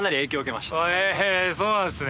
悗А舛そうなんですね。